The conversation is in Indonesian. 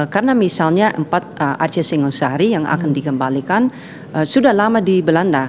karena misalnya empat arca singosari yang akan dikembalikan sudah lama di belanda